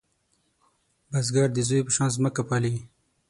بزګر د زوی په شان ځمکه پالې